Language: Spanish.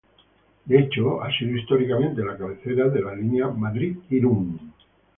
De hecho ha sido históricamente la cabecera de la línea Madrid-Irún.